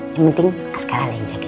yang penting askar aja yang jagain